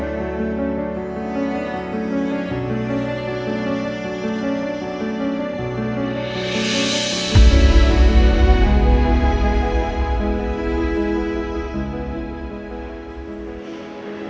pak suria bener